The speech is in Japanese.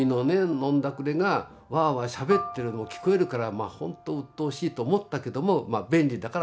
飲んだくれがワアワアしゃべってるの聞こえるからほんとうっとうしいと思ったけども便利だから住んでいた」と。